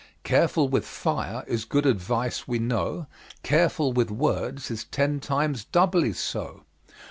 "Careful with fire," is good advice we know, "Careful with words," is ten times doubly so.